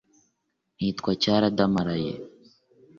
Nitwa Cyaradamaraye.